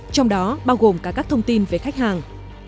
trong đó bao gồm cả các thông tin về khách hàng